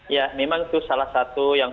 ya memang itu salah satu yang